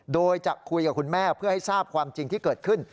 โดยจะคุยกับคุณแม่เพื่อให้ทราบความจริงที่เกิดขึ้น